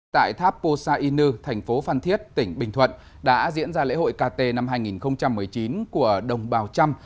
tại tháp posa inu thành phố phan thiết tỉnh bình thuận đã diễn ra lễ hội kt năm hai nghìn một mươi chín của đồng bào trăm